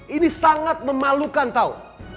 ini sangat memalukan tau